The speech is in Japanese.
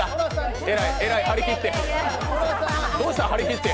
えらい張り切って、どうした張り切って！？